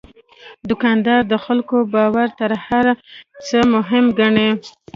دوکاندار د خلکو باور تر هر څه مهم ګڼي.